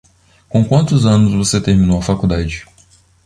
Com quantos anos você terminou a faculdade?